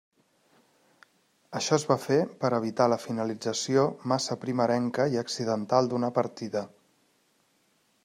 Això es va fer per evitar la finalització massa primerenca i accidental d'una partida.